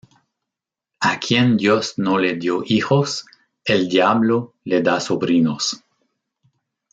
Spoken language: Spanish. A quien Dios no le dio hijos, el diablo le da sobrinos